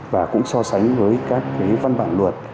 và cũng so sánh với các văn bản luật